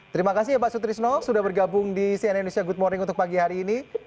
terima kasih ya pak sutrisno sudah bergabung di cnn indonesia good morning untuk pagi hari ini